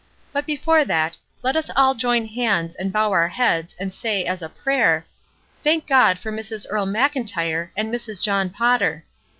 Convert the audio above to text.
But before that, let us all join hands and bow our heads and say, as a prayer, 'Thank God for Mrs. Earle Mclntyre and Mrs. John Potter.'''